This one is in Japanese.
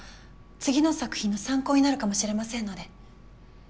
次の作品の参考になるかもしれませんので。